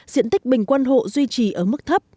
diện tích bình quân hộ duy trì ở mức thấp